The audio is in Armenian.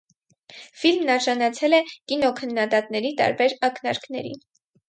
Ֆիլմն արժանացել է կինոքննադատների տարբեր ակնարկների։